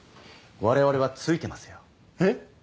我々はツイてますよえっ？